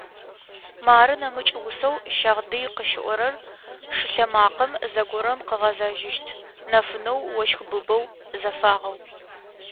Мары нэмыкӏ усэу «Щагъдый» къыщиӏорэр: «Шылъэмакъэм зэгорэм къыгъэзэжьыщт, Нэфынэу, ощхбыбэу, зэфагъэу.».